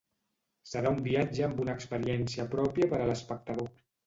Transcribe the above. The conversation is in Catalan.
Serà un viatge amb una experiència pròpia per a l'espectador.